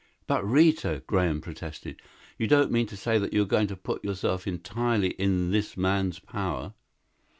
'" "But Rita," Graham protested, "you don't mean to say that you're going to put yourself entirely in this man's power?"